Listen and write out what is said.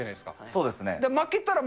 そうですね。